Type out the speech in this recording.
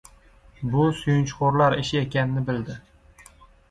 Bu, suyunchixo‘rlar ishi ekanini bildi.